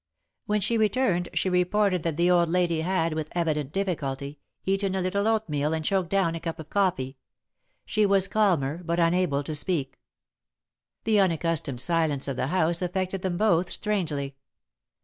When she returned, she reported that the old lady had, with evident difficulty, eaten a little oatmeal and choked down a cup of coffee. She was calmer, but unable to speak. The unaccustomed silence of the house affected them both strangely.